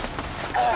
ああ！